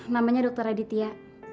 namanya dokter aditya